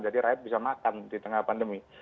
rakyat bisa makan di tengah pandemi